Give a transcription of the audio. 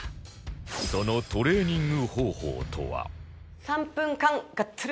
そのトレーニング方法とははあ！